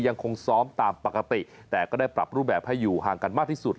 ยังคงซ้อมตามปกติแต่ก็ได้ปรับรูปแบบให้อยู่ห่างกันมากที่สุด